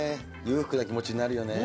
裕福な気持ちになるよね。